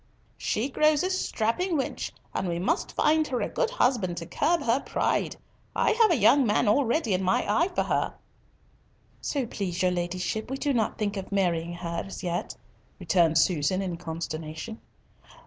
"She grows a strapping wench, and we must find her a good husband to curb her pride. I have a young man already in my eye for her." "So please your Ladyship, we do not think of marrying her as yet," returned Susan, in consternation.